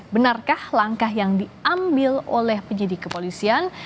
benarkah langkah yang diambil oleh penyidik kepolisian